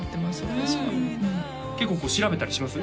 私は結構調べたりします？